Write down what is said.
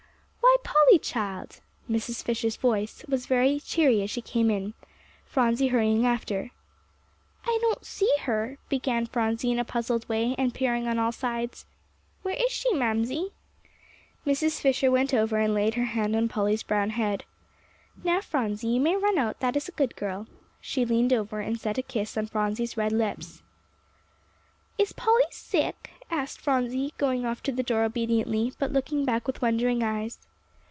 "Why, Polly, child!" Mother Fisher's voice was very cheery as she came in, Phronsie hurrying after. "I don't see her," began Phronsie in a puzzled way, and peering on all sides. "Where is she, Mamsie?" Mrs. Fisher went over and laid her hand on Polly's brown head. "Now, Phronsie, you may run out, that is a good girl." She leaned over, and set a kiss on Phronsie's red lips. "Is Polly sick?" asked Phronsie, going off to the door obediently, but looking back with wondering eyes.